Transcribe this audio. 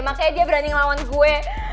makanya dia berani ngelawan gue